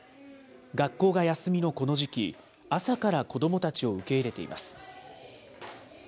学校が休みのこの時期、朝から子どもたちを受け入れています。